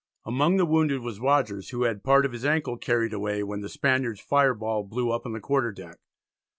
Among the wounded was Rogers, who had part of his ankle carried away when the Spaniards' fireball blew up on the quarter deck.